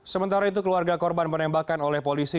sementara itu keluarga korban penembakan oleh polisi